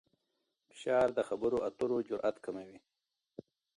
فشار د خبرو اترو جرئت کموي.